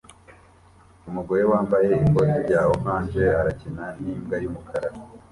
Umugore wambaye ikoti rya orange akina nimbwa yumukara